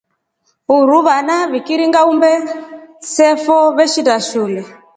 Uruu vaana vikiringa uumbe sefo veshinda shule.